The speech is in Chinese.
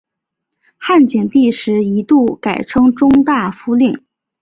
汉景帝时一度改称中大夫令。